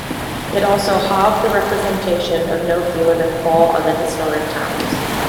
It also halved the representation of no fewer than four other historic towns.